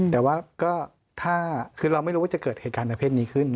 แต่ว่าก็คือเราไม่รู้ว่าจะเกิดเหตุการณ์ประเภทนี้ขึ้น